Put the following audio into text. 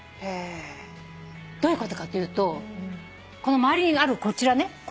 どういうことかというとこの周りにあるこちらね